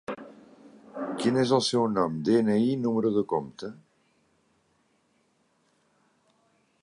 Quin és el seu nom, de-ena-i i número de compte?